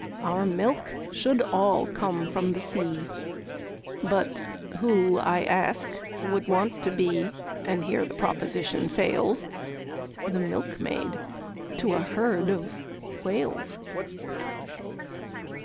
Our milk should all come from the sea, But who, I ask, would want to be, And here the proposition fails, The milkmaid to a herd of Whales?